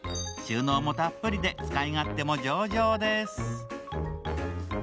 収納もたっぷりで使い勝手も上々です。